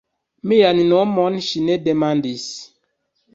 Mian nomon ŝi ne demandis.